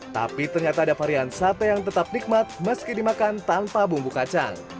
tapi ternyata ada varian sate yang tetap nikmat meski dimakan tanpa bumbu kacang